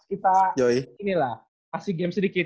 kita inilah ngasih game sedikit